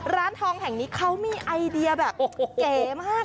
ร้านทองแห่งนี้เขามีไอเดียแบบเก๋มาก